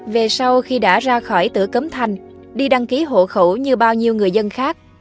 về sau khi đã ra khỏi tử cấm thành đi đăng ký hộ khẩu như bao nhiêu người dân khác